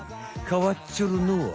かわっちょるのは？